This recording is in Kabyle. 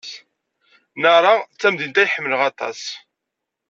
Nara d tamdint ay ḥemmleɣ aṭas.